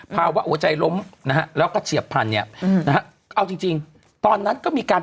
ภาวะหัวใจล้มแล้วก็เฉียบพัน